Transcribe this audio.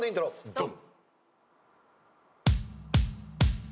ドン！